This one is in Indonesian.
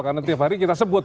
karena tiap hari kita sebut